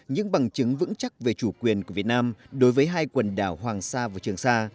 những bằng chứng vững chắc về chủ quyền của việt nam đối với hai quần đảo hoàng sa và trường sa